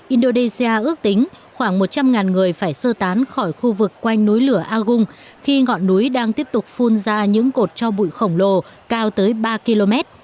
indonesia ước tính khoảng một trăm linh người phải sơ tán khỏi khu vực quanh núi lửa agung khi ngọn núi đang tiếp tục phun ra những cột cho bụi khổng lồ cao tới ba km